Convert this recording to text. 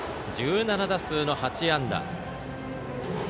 １７打数の８安打。